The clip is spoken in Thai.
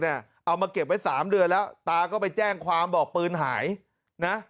เอามาเก็บไว้๓เดือนแล้วตาก็ไปแจ้งความบอกปืนหายนะ